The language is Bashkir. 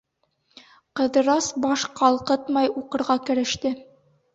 Ҡыҙырас баш ҡалҡытмай уҡырға кереште.